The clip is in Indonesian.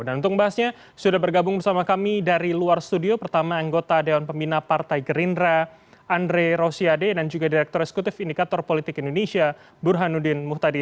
dan untuk membahasnya sudah bergabung bersama kami dari luar studio pertama anggota dewan pembina partai gerindra andrei rosiade dan juga direktur eksekutif indikator politik indonesia burhanuddin muhtadi